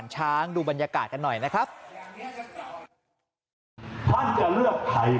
พิษหนูไม่เอาอันเนี้ยสำคัญ